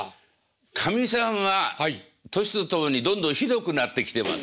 かみさんは年とともにどんどんひどくなってきてます。